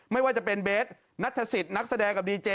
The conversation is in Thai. ไม่ว่าจะเป็นเบสนัทศิษย์นักแสดงกับดีเจ